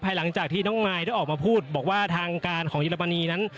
หลังจากที่น้องมายได้ออกมาพูดบอกว่าทางการของเยอรมนีนั้น